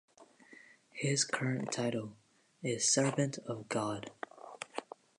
His current title is Servant of God.